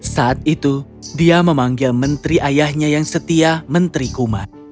saat itu dia memanggil menteri ayahnya yang setia menteri kuma